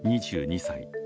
２２歳。